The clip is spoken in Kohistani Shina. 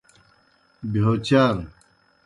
بہیو چار۔